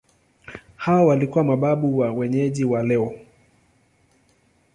Hawa walikuwa mababu wa wenyeji wa leo.